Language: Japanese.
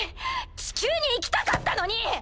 地球に行きたかったのに！